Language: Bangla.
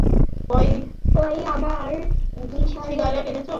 কই, আমার সিগারেট এনেছ?